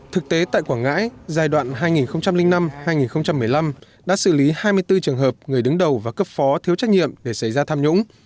thực tế tại quảng ngãi giai đoạn hai nghìn năm hai nghìn một mươi năm đã xử lý hai mươi bốn trường hợp người đứng đầu và cấp phó thiếu trách nhiệm để xảy ra tham nhũng